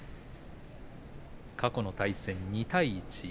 過去の対戦２対１。